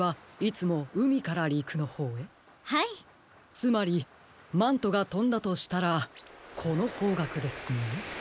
つまりマントがとんだとしたらこのほうがくですね。